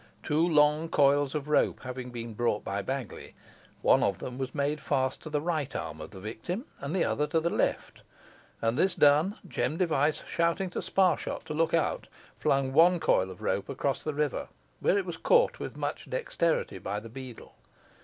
Two long coils of rope having been brought by Baggiley, one of them was made fast to the right arm of the victim, and the other to the left; and this done, Jem Device, shouting to Sparshot to look out, flung one coil of rope across the river, where it was caught with much dexterity by the beadle.